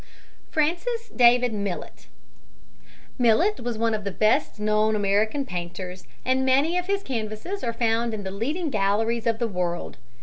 FRANCIS DAVID MILLET Millet was one of the best known American painters and many of his canvasses are found in the leading galleries of the world.